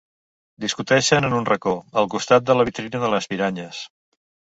Discuteixen en un racó, al costat de la vitrina de les piranyes.